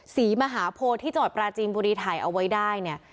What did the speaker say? สีมหาโภที่จดประจีนบุรีถ่ายเอาไว้ได้เนี่ย